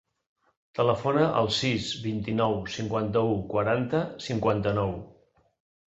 Telefona al sis, vint-i-nou, cinquanta-u, quaranta, cinquanta-nou.